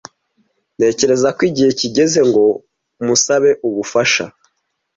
Ntekereza ko igihe kigeze ngo musabe ubufasha.